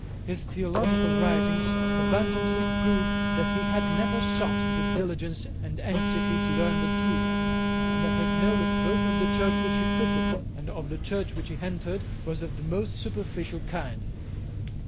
His theological writings abundantly prove that he had never sought with diligence and anxiety to learn the truth, and that his knowledge both of the Church which he quitted and of the Church which he entered was of the most superficial kind.